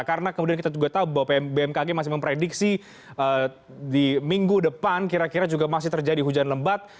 karena kemudian kita juga tahu bahwa bmkg masih memprediksi di minggu depan kira kira juga masih terjadi hujan lembat